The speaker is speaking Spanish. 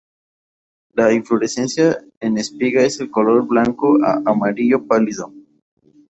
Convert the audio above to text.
La inflorescencia en espiga es de color blanco a amarillo pálido.